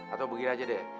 atau begini aja deh